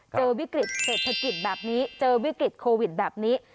เจอวิกฤตเศรษฐกิจแบบนี้เจอวิกฤตโควิดแบบนี้